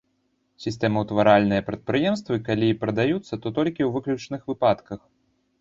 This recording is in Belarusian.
Сістэмаўтваральныя прадпрыемствы, калі і прадаюцца, то толькі ў выключных выпадках.